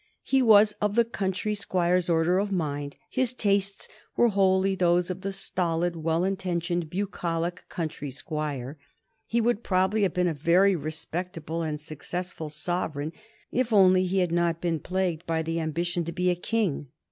He was of the country squire's order of mind; his tastes were wholly those of the stolid, well intentioned, bucolic country squire. He would probably have been a very respectable and successful sovereign if only he had not been plagued by the ambition to be a king.